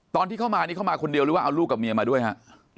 ตอนที่เข้ามานี่เข้ามาคนเดียวหรือว่าเอาลูกกับเมียมาด้วยฮะ